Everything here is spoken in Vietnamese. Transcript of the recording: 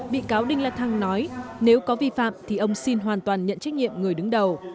bị cáo đinh la thăng nói nếu có vi phạm thì ông xin hoàn toàn nhận trách nhiệm người đứng đầu